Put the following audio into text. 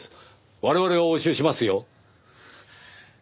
我々が押収しますよ。